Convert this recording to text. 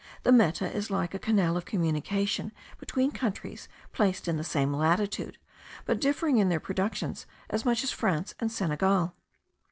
The Meta is like a canal of communication between countries placed in the same latitude, but differing in their productions as much as France and Senegal.